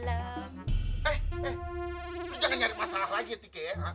lo jangan nyari masalah lagi tike